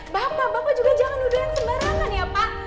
bapak bapak juga jangan udah yang sembarangan ya pak